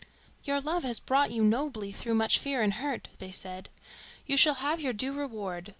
"Your love has brought you nobly through much fear and hurt," they said. "You shall have your due reward.